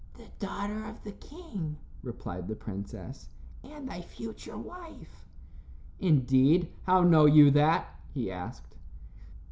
"The daughter of the king," replied the princess, "and thy future wife." "Indeed! How know you that?" he asked.